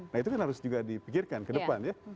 nah itu kan harus juga dipikirkan ke depan ya